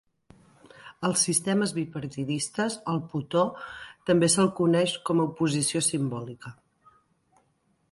Als sistemes bipartidistes, al "poteau" també se'l coneix com a oposició simbòlica.